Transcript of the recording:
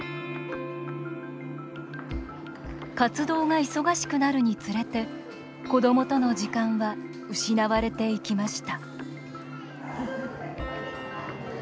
活動が忙しくなるにつれて子どもとの時間は失われていきました